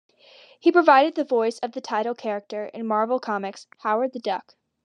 He provided the voice of the title character in Marvel Comics' "Howard the Duck".